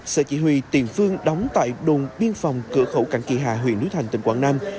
sở chỉ huy tiền phương đóng tại đồn biên phòng cửa khẩu cảnh kỳ hà huyện núi thành tỉnh quảng nam